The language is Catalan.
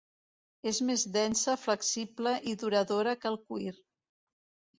És més densa, flexible i duradora que el cuir.